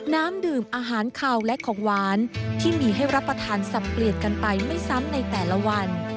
น้ำดื่มอาหารขาวและของหวานที่มีให้รับประทานสับเปลี่ยนกันไปไม่ซ้ำในแต่ละวัน